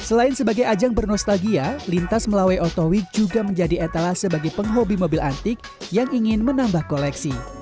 selain sebagai ajang bernostalgia lintas melawe otowi juga menjadi etala sebagai penghobi mobil antik yang ingin menambah koleksi